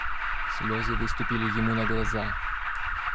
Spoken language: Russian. Слезы выступили ему на глаза.